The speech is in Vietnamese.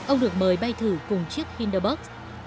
ông được mời bay thử cùng chiếc hinderburg